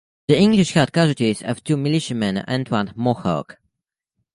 The English had casualties of two militiamen and one Mohawk.